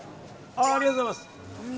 ありがとうございます。